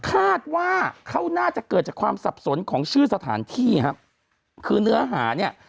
คาดว่าเขาน่าจะเกิดจากความสับสนของชื่อสถานที่ครับคือเนื้อหาเนี่ย